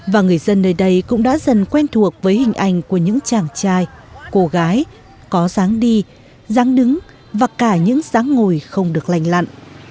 và người dân nơi đây cũng đã dần quen thuộc với hình ảnh của những chàng trai cô gái có dáng đi dáng đứng và cả những dáng ngồi không được lành lặn